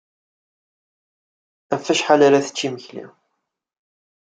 Ɣef wacḥal ara tečč imekli?